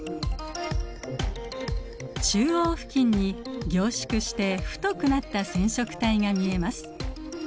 中央付近に凝縮して太くなった染色体が見えます。